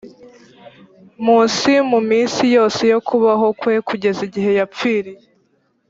munsi mu minsi yose yo kubaho kwe kugeza igihe yapfiriye